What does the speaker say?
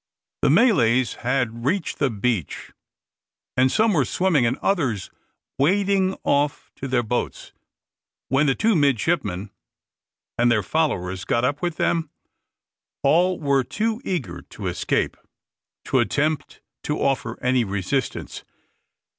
The Malays had reached the beach, and some were swimming and others wading off to their boats, when the two midshipmen and their followers got up with them. All were too eager to escape to attempt to offer any resistance.